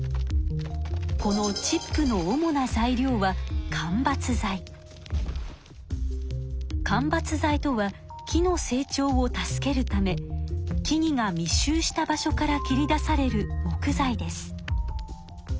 このチップの主な材料は間伐材とは木の成長を助けるため木々がみっ集した場所から切り出される木材です。